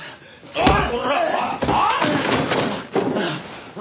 おい！